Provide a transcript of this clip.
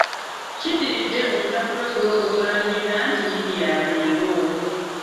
Kiddiridde olunaku lw'eggulo okulangirira nti Iddi ya leero.